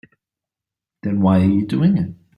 Then why are you doing it?